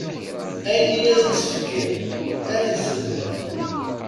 Ayen i yas-d-tefkiḍ ad t-issebleɛ.